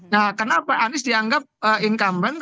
nah kenapa anies dianggap incumbent